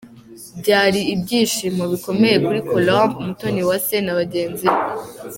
Byari ibyishimo bikomeye kuri Colombe Umutoniwase na bagenzi be.